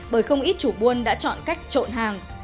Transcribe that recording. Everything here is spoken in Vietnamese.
bởi không ít chủ buôn đã chọn cách trộn hàng